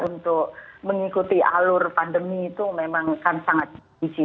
untuk mengikuti alur pandemi itu memang kan sangat biji